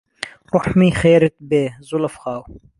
روحمی خێرت بێ زولف خاو